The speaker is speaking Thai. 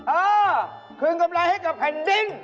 เออคืนกำไรให้กับแผ่นดิน